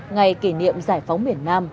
ngày kỷ niệm giải phóng miền nam